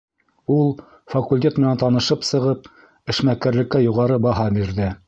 Ул, факультет менән танышып сығып, эшмәкәрлеккә юғары баһа бирҙе.